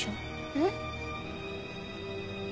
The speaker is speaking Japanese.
えっ？